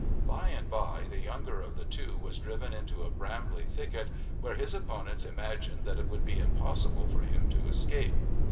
By and by the younger of the two was driven into a brambly thicket where his opponents imagined that it would be impossible for him to escape.